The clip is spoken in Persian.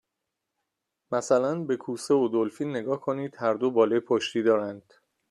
مثلا به کوسه و دلفین نگاه کنید، هر دو باله پشتی دارند.